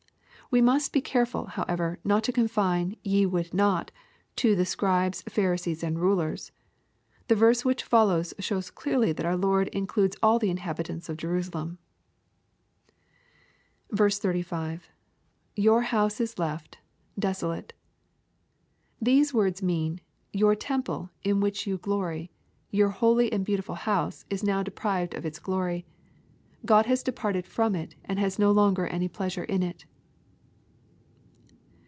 We must be careful, however, not to confine "ye would not," to the Scribes, Pharisees, and rulers. The verse which follows shows clearly that our Lord includes all the inhabitants of Jerusalem. 35. — [Your "house is left...desolate!\ These words mean, "Your temple, in which you glory, your holy and beautiful house, is now deprived of its glory. God has departed from it, and has no longer any pleasure in it."